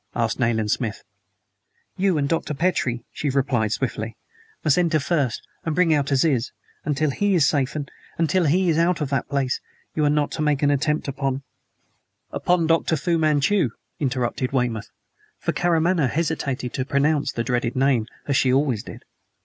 asked Nayland Smith. "You and Dr. Petrie," she replied swiftly, "must enter first, and bring out Aziz. Until he is safe until he is out of that place you are to make no attempt upon " "Upon Dr. Fu Manchu?" interrupted Weymouth; for Karamaneh hesitated to pronounce the dreaded name, as she always did.